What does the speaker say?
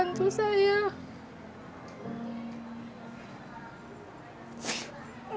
untuk tinggallah jalan alhamdulillah